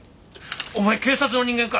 お前警察の人間か！